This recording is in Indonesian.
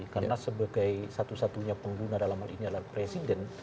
karena sebagai satu satunya pengguna dalam hal ini adalah presiden